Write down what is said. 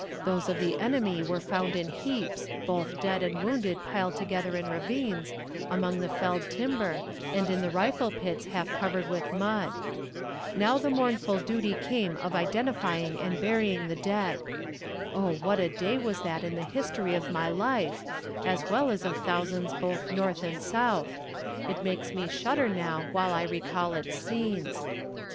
Those of the enemy were found in heaps, both dead and wounded piled together in ravines, among the felled timber, and in rifle pits half covered with mud. Now the mournful duty came of identifying and burying the dead. Oh, what a day was that in the history of my life, as well as of thousands both North and South. It makes me shudder now while I recall its scenes.